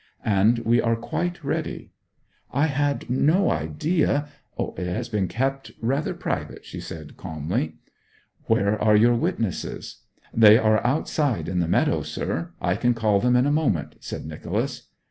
'And we are quite ready.' 'I had no idea ' 'It has been kept rather private,' she said calmly. 'Where are your witnesses?' 'They are outside in the meadow, sir. I can call them in a moment,' said Nicholas.